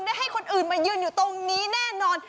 ได้ให้คนอื่นมายืนอยู่ตรงนี้แน่นอน